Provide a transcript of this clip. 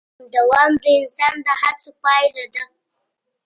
دوام د انسان د هڅو پایله ده.